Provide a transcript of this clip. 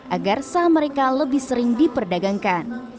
agar saham mereka lebih sering diperdagangkan